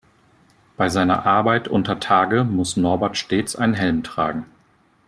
Bei seiner Arbeit untertage muss Norbert stets einen Helm tragen.